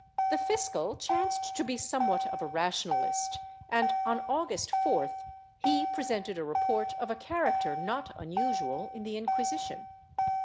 The fiscal chanced to be somewhat of a rationalist and, on August 4th he presented a report of a character not usual in the Inquisition.